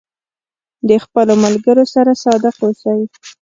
د خپلو ملګرو سره صادق اوسئ.